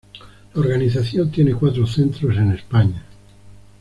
La organización tiene cuatro centros en España.